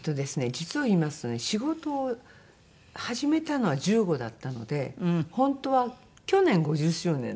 実を言いますとね仕事を始めたのは１５だったので本当は去年５０周年だったんです。